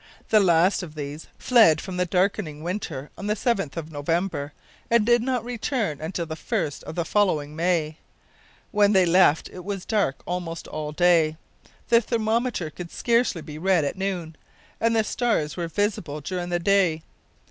The last of these fled from the darkening winter on the 7th of November, and did not return until the 1st of the following May. When they left it was dark almost all day. The thermometer could scarcely be read at noon, and the stars were visible during the day.